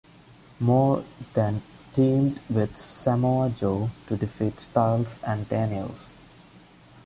Moore then teamed with Samoa Joe to defeat Styles and Daniels.